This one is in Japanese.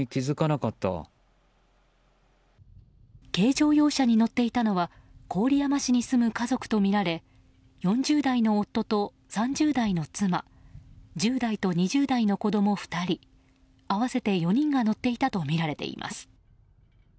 軽乗用車に乗っていたのは郡山市に住む家族とみられ４０代の夫と３０代の妻１０代と２０代の子供２人合わせて４人が乗っていたとみられています。